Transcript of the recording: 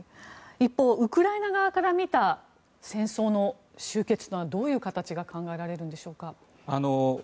一方ウクライナ側から見た戦争終結はどういう形が考えられるんでしょうか。